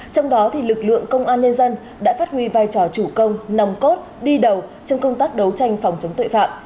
trong đó lực lượng công an nhân dân đã phát huy vai trò chủ công nòng cốt đi đầu trong công tác đấu tranh phòng chống tội phạm